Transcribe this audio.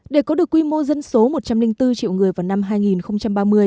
để có được quy mô dân số một trăm linh bốn triệu người vào năm hai nghìn ba mươi